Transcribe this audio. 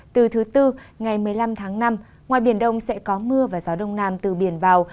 từ thứ tư ngày một mươi năm tháng năm ngoài biển đông sẽ có mưa và gió đông nam từ biển vào